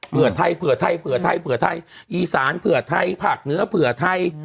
เพื่อไทยอีสานเผื่อไทยภาคเนื้อเผื่อไทย